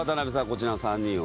こちらの３人は。